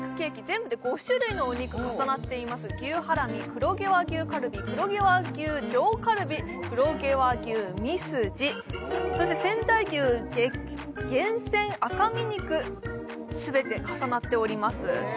全部で５種類のお肉重なっています牛ハラミ黒毛和牛カルビ黒毛和牛上カルビ黒毛和牛ミスジそして仙台牛厳選赤身肉全て重なっております